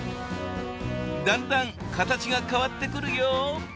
だんだん形が変わってくるよ。